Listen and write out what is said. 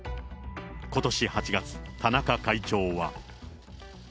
ことし８月、田中会長は。